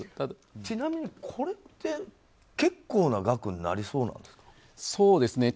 ちなみにこれって結構な額になりそうなんですか。